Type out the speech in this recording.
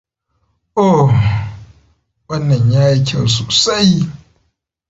Oh! Wannan yayi kyau sosai!